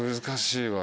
難しい。